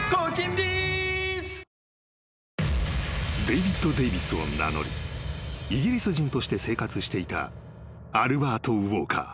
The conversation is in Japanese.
［デイビッド・デイヴィスを名乗りイギリス人として生活していたアルバート・ウォーカー］